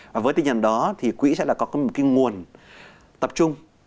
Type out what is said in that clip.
và với tính nhận đó thì quỹ sẽ là có một cái nguồn tập trung